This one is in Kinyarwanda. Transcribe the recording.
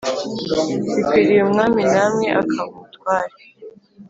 bikwiriye umwami Namwe akaba umtware